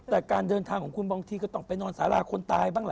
แต่การเดินทางของคุณบางทีก็ต้องไปนอนสาราคนตายบ้างล่ะ